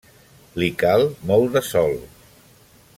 Li cal molt de sol.